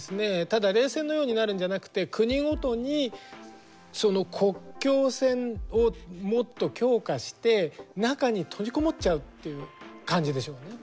ただ冷戦のようになるんじゃなくて国ごとにその国境線をもっと強化して中に閉じこもっちゃうっていう感じでしょうね。